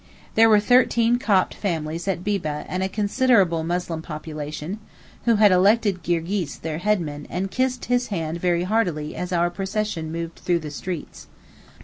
There were thirteen Copt families at Bibbeh and a considerable Muslim population, who had elected Girgis their headman and kissed his hand very heartily as our procession moved through the streets.